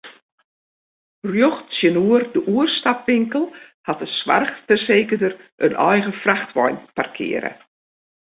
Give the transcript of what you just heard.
Rjocht tsjinoer de oerstapwinkel hat de soarchfersekerder in eigen frachtwein parkearre.